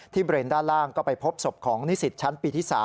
เบรนด้านล่างก็ไปพบศพของนิสิตชั้นปีที่๓